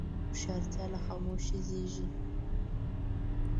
هوښیارتیا له خاموشۍ زیږېږي.